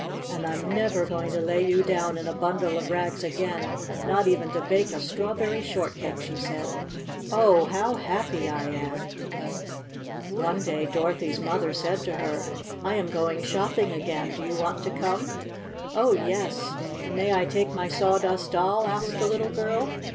"And I'm never going to lay you down in a bundle of rags again, not even to bake a strawberry shortcake!" she said. "Oh, how happy I am !'' One day Dorothy's mother said to her: "I am going shopping again. Do you want to come?" "Oh, yes. And may I take my Sawdust Doll?" asked the little girl.